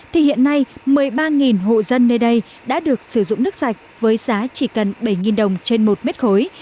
thì hiện nay một mươi ba hộ dân nơi đây đã được sử dụng nước sạch với giá chỉ cần bảy đồng trên một mét khối